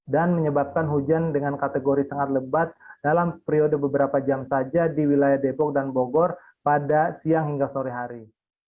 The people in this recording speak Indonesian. dan menyebabkan hujan dengan kategori sangat lebat dalam periode beberapa jam saja di wilayah depok dan bogor pada siang hingga sore hari